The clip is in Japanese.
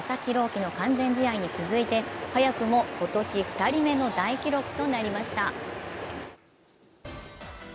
希の完全試合に続いて早くも今年２人目の大記録となりました。